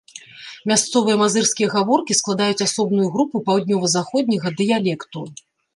Мясцовыя мазырскія гаворкі складаюць асобную групу паўднёва-заходняга дыялекту.